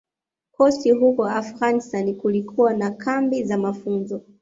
Khost huko Afghanistan kulikokuwa na kambi za mafunzo